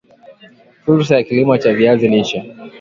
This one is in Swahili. Fursa za kilimo cha viazi lishe